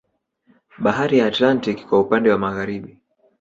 Bahari ya Atlantiki kwa upande wa Magharibi